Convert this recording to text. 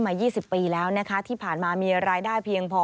๒๐ปีแล้วนะคะที่ผ่านมามีรายได้เพียงพอ